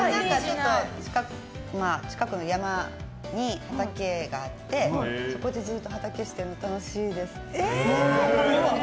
近くの山に畑があってそこでずっと畑仕事してるの楽しいです。